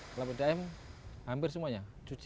kalau pdam hampir semuanya